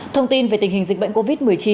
thông tin về tình hình dịch bệnh covid một mươi chín